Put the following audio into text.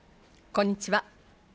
こんにちは。